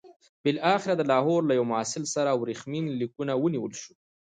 بالاخره د لاهور له یوه محصل سره ورېښمین لیکونه ونیول شول.